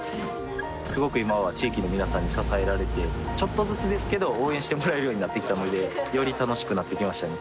すごく今は地域の皆さんに支えられてちょっとずつですけど応援してもらえるようになってきたのでより楽しくなってきましたね